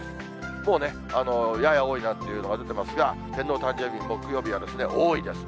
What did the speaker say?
もうね、やや多いなんていうのが出てますが、天皇誕生日の木曜日は多いですね。